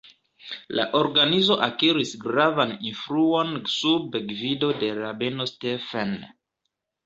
La organizo akiris gravan influon sub gvido de rabeno Stephen.